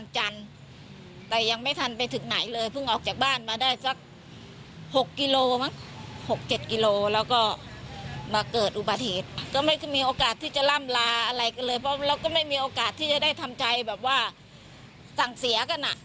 จังเสียกันอ่ะมันไวอ่ะพี่